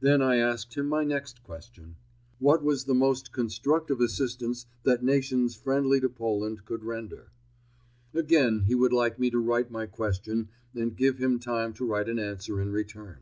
Then I asked him my next question. What was the most constructive assistance that nations friendly to Poland could render? Again he would like me to write my question and give him time to write an answer in return.